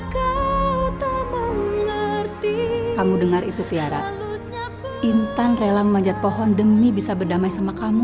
kamu mengerti kamu dengar itu tiara intan rela memanjat pohon demi bisa berdamai sama kamu